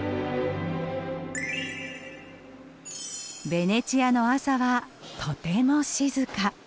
ベネチアの朝はとても静か。